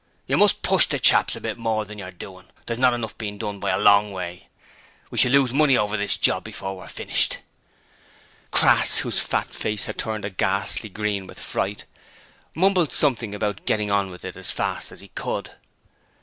You must push the chaps a bit more than you're doin'. There's not enough being done, by a long way. We shall lose money over this job before we're finished!' Crass whose fat face had turned a ghastly green with fright mumbled something about getting on with it as fast as he could.